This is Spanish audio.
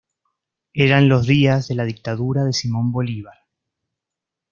Eran los días de la dictadura de Simón Bolívar.